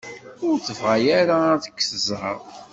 Ur tebɣa ara ad k-tẓer.